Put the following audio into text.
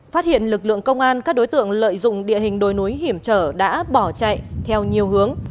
phát hiện lực lượng công an các đối tượng lợi dụng địa hình đồi núi hiểm trở đã bỏ chạy theo nhiều hướng